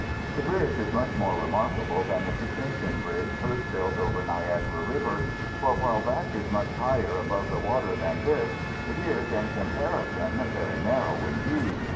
This bridge is much more remarkable than the suspension bridge first built over Niagara River; for while that is much higher above the water than this, it is, in comparison, very narrow indeed.